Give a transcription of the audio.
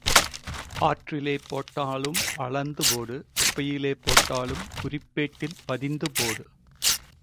ஆற்றிலே போட்டாலும் அளந்து போடு குப்பையிலே போட்டாலும் குறிப்பேட்டில் பதிந்து போடு.